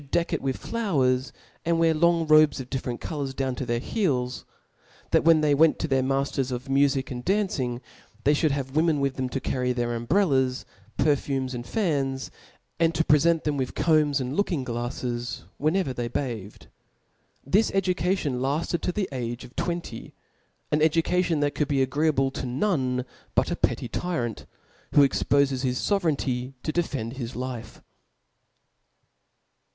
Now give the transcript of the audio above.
deck jt with fioWel s, and we^r Img robes of di0ereQt colours down to their Eeels Sr tlut when they went to their mafters of mufic and dancing, they Aould have women' with them to carry their umbrciloes, perfumes,^ arid fans, and ta pi^fent thetfi with combs and looking glaflcs when ever they bathed This education laftedi tOi the age of tweqcy, an education that could be agreeable tp<.nQne btit to a pett^ tyraot, wKo esfpo&s bis fo^ ^ Vereignty. to defend hjs life.